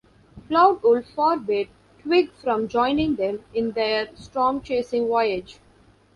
Cloud Wolf forbade Twig from joining them in their stormchasing voyage.